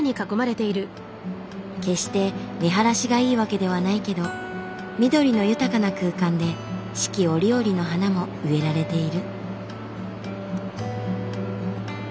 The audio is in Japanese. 決して見晴らしがいいわけではないけど緑の豊かな空間で四季折々の花も植えられている。